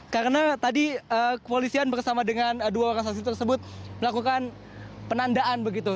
karena tadi kepolisian bersama dengan dua orang saksi tersebut melakukan penandaan begitu